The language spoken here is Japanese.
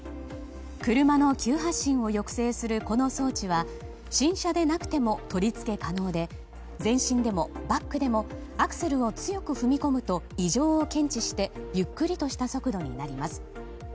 車の急発進を抑制するこの装置は新車でなくても取り付け可能で前進でもバックでもアクセルを強く踏み込むと異常を検知してゆっくりとした速度になります。